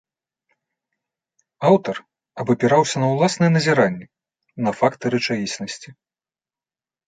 Аўтар абапіраўся на ўласныя назіранні, на факты рэчаіснасці.